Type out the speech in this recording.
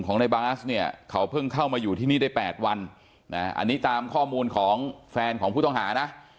ในบาสเนี่ยเขาเพิ่งเข้ามาอยู่ที่นี่ได้๘วันอันนี้ตามข้อมูลของแฟนของผู้ต้องหานะ